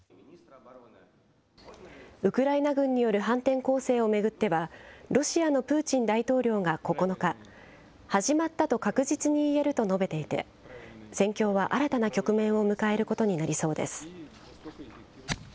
ウクライナ軍による反転攻勢を巡っては、ロシアのプーチン大統領が９日、始まったと確実に言えると述べていて、戦況は新たな局面を迎えることになりそうです。